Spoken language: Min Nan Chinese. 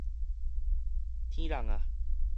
伨人矣